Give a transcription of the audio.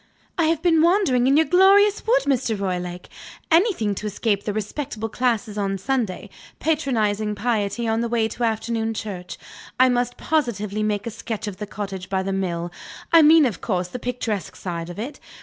"I have been wandering in your glorious wood, Mr. Roylake. Anything to escape the respectable classes on Sunday, patronizing piety on the way to afternoon church. I must positively make a sketch of the cottage by the mill I mean, of course, the picturesque side of it.